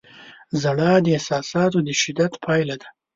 • ژړا د احساساتو د شدت پایله ده.